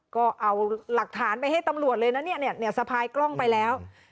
ก็เอาหลักฐานไปให้ตำรวจเลยนะเนี่ยสะพายกล้องไปแล้ว